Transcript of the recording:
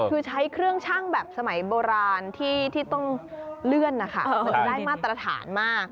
คือใช้เครื่องชั่งแบบสมัยโบราณที่ต้องเลื่อนนะคะมันจะได้มาตรฐานมาก